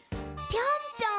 ぴょんぴょん？